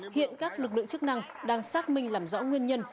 hiện các lực lượng chức năng đang xác minh làm rõ nguyên nhân